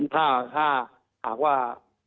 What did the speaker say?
ถ้าถ้าว่า